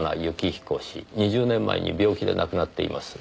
２０年前に病気で亡くなっています。